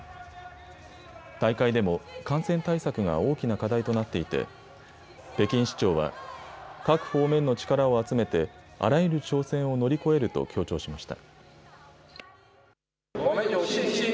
大会でも感染対策が大きな課題となっていて、北京市長は、各方面の力を集めて、あらゆる挑戦を乗り越えると強調しました。